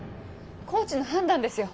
コーチの判断ですよ。